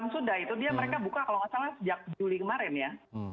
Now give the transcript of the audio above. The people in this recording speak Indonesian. sudah itu dia mereka buka kalau nggak salah sejak juli kemarin ya